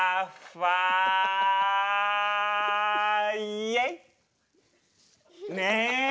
イエイ！ねえ。